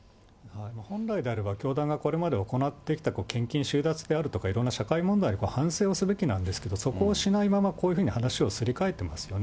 本来であれば、教団がこれまで行ってきた献金収奪であるとか、いろんな社会問題反省すべきなんですけれども、そこをしないまま、こういうふうに話をすり替えてますよね。